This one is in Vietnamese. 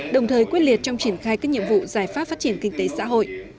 đồng thời quyết liệt trong triển khai các nhiệm vụ giải pháp phát triển kinh tế xã hội